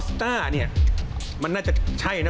อสตาร์นี่มันน่าจะใช่นะ